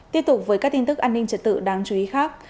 tiếp tục với các tin tức an ninh trật tự đáng chú ý khác